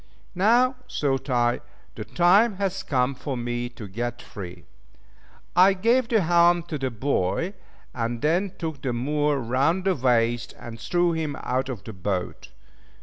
Now, thought I, the time has come for me to get free! I gave the helm to the boy, and then took the Moor round the waist, and threw him out of the boat.